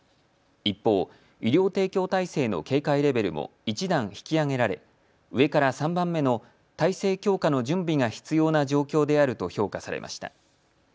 一方、医療提供体制の警戒レベルも１段引き上げられ上から３番目の体制強化の準備が必要な状況であると評価されました。